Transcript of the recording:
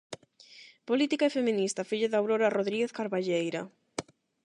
Política e feminista, filla de Aurora Rodríguez Carballeira.